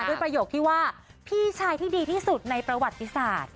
ประโยคที่ว่าพี่ชายที่ดีที่สุดในประวัติศาสตร์